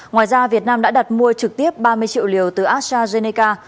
ngoài ra việt nam đã đặt mua trực tiếp ba mươi triệu liều từ astrazeneca